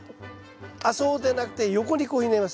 あっそうでなくて横にこうひねります。